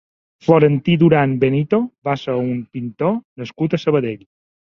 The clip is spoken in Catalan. Florentí Duran Benito va ser un pintor nascut a Sabadell.